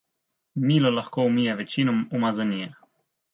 Milo lahko umije večino umazanije.